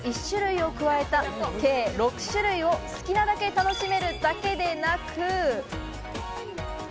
１種類を加えた計６種類を好きなだけ楽しめるだけでなく。